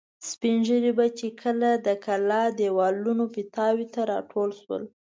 سپین ږیري به چې کله د کلا دېوالونو پیتاوو ته را ټول شول.